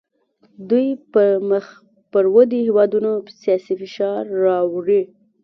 دوی په مخ پر ودې هیوادونو سیاسي فشار راوړي